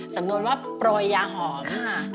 สำนวนว่าปรวยยาหอมค่ะ